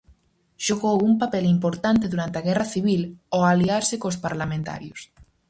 Xogou un papel importante durante a Guerra Civil, ao aliarse cos parlamentarios.